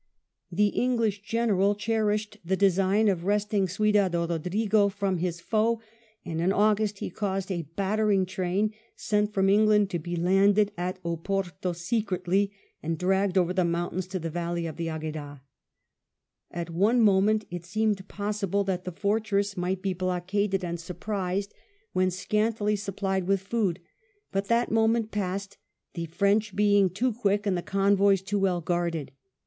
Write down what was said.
The English Greneral cherished the design of wresting Ciudad Bodrigo from his foe, and in August he caused a battering train, sent from England, to be landed at Oporto secretly, and dragged over the mountains to the valley of the Agueda. At one moment it seemed possible that the fortress might be blockaded and surprised when scantily supplied with food, but that moment passed, the French being too quick and the convoys too well guarded.